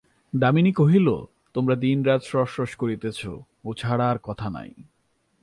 দামিনী কহিল, তোমরা দিনরাত রস রস করিতেছ, ও ছাড়া আর কথা নাই।